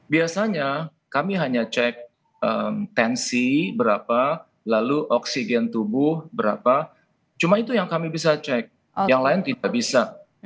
biasanya kami hanya cek tensi berapa lalu oksigen tubuh berapa cuma itu yang kami bisa cek yang lain tidak bisa